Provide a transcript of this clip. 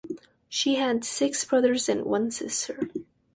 She had six brothers and one sister.